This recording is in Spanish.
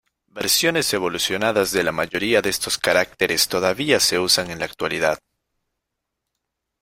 Versiones evolucionadas de la mayoría de estos caracteres todavía se usan en la actualidad.